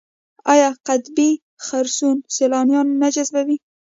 آیا قطبي خرسونه سیلانیان نه جذبوي؟